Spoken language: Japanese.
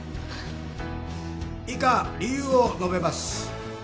以下理由を述べます。